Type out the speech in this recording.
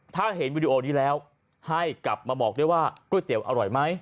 ถ้าเห็นวิดีโอนี้แล้วให้กลับมาบอกได้ว่าก๋วยเตี๋ยวอร่อยไหม